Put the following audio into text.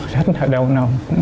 rất là đau nồng